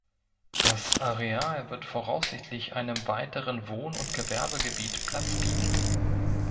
Das Areal wird voraussichtlich einem weiteren Wohn- und Gewerbegebiet Platz bieten.